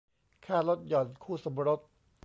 ค่าลดหย่อนคู่สมรส